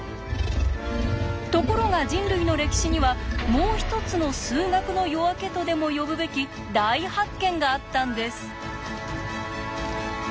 ところが人類の歴史には「もう一つの数学の夜明け」とでも呼ぶべき大発見があったんです。